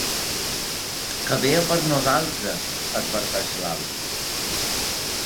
Que ve a per nosaltres! —adverteix l'Alf.